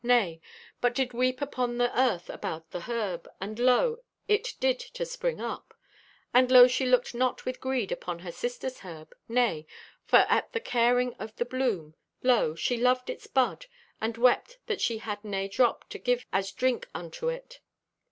Nay, but did weep upon the earth about the herb, and lo, it did to spring it up. And lo, she looked not with greed upon her sister's herb; nay, for at the caring for the bloom, lo, she loved its bud and wept that she had nay drop to give as drink unto it.